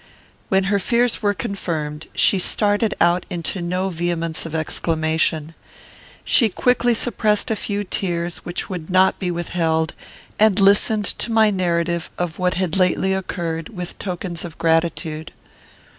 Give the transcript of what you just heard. When her fears were confirmed, she started out into no vehemence of exclamation. She quickly suppressed a few tears which would not be withheld, and listened to my narrative of what had lately occurred, with tokens of gratitude.